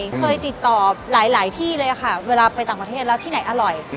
เคยติดต่อหลายที่เลยค่ะเวลาไปต่างประเทศแล้วที่ไหนอร่อย